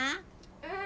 ・うん。